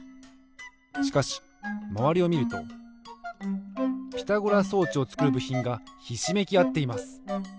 しかしまわりをみるとピタゴラ装置をつくるぶひんがひしめきあっています。